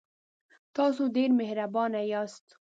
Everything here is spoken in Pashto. تاسو ډیر مهربانه یاست.